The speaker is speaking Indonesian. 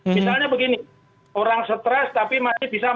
misalnya begini orang stres tapi masih bisa